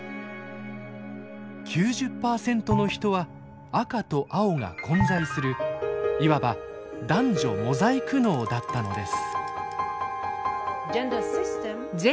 ９０％の人は赤と青が混在するいわば男女モザイク脳だったのです。